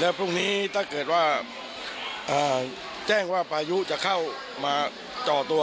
แล้วพรุ่งนี้ถ้าเกิดว่าแจ้งว่าพายุจะเข้ามาจ่อตัว